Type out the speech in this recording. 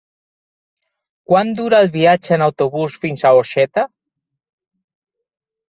Quant dura el viatge en autobús fins a Orxeta?